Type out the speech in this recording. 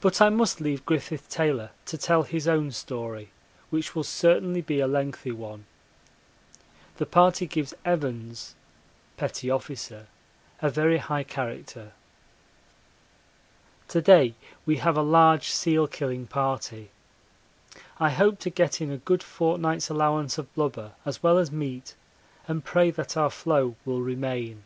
But I must leave Griffith Taylor to tell his own story, which will certainly be a lengthy one. The party gives Evans [P.O.] a very high character. To day we have a large seal killing party. I hope to get in a good fortnight's allowance of blubber as well as meat, and pray that our floe will remain.